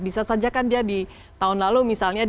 bisa saja kan dia di tahun lalu misalnya